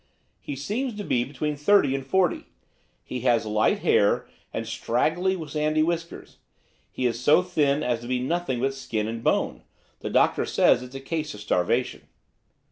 'He seems to be between thirty and forty. He has light hair, and straggling sandy whiskers. He is so thin as to be nothing but skin and bone, the doctor says it's a case of starvation.